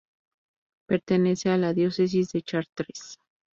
Pertenece a la diócesis de Chartres.